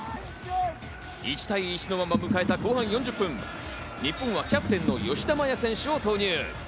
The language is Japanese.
１対１のまま迎えた後半４０分、日本はキャプテンの吉田麻也選手を投入。